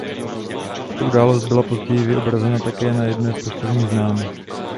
Tato událost byla později vyobrazena také na jedné z poštovních známek.